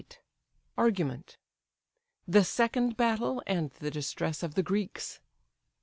ARGUMENT. THE SECOND BATTLE, AND THE DISTRESS OF THE GREEKS.